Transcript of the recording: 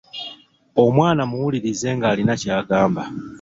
Omwana muwulirize ng’alina ky’agamba.